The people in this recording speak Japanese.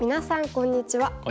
こんにちは。